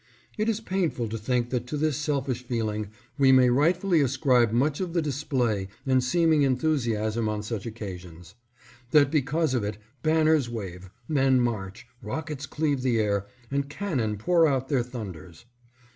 It is painful to think that to this selfish feeling we may rightfully ascribe much of the display and seeming enthusiasm on such occasions ; that because of it, banners wave, men march, rockets cleave the air, and cannon pour out their thunders.